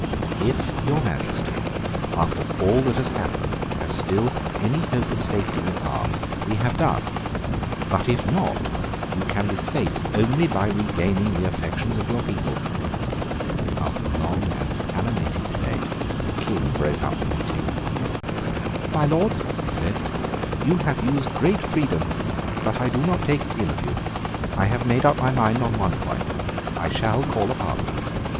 "If your Majesty, after all that has happened, has still any hope of safety in arms, we have done: but if not, you can be safe only by regaining the affections of your people." After long and animated debate the King broke up the meeting. "My Lords," he said, "you have used great freedom: but I do not take it ill of you. I have made up my mind on one point. I shall call a Parliament.